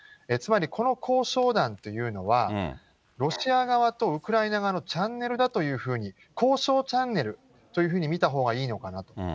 つまりこの交渉団というのは、ロシア側とウクライナ側のチャンネルだというふうに、交渉チャンネルというふうに見たほうがいいのかなと。